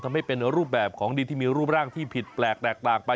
ทำให้เป็นรูปแบบของดินที่มีรูปร่างที่ผิดแปลกแตกต่างไป